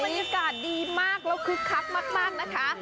บรรยากาศดีมากแล้วคึกคักมากนะคะ